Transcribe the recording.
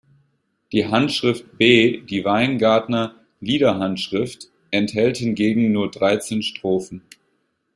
Die Handschrift B, die Weingartner Liederhandschrift, enthält hingegen nur dreizehn Strophen.